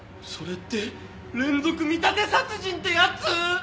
それって連続見立て殺人ってやつ！？